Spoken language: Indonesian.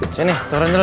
sini turun dulu